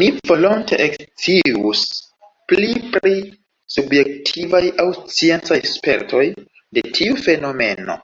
Mi volonte ekscius pli pri subjektivaj aŭ sciencaj spertoj de tiu fenomeno.